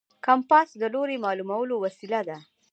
کمپاس د لوري معلومولو وسیله ده.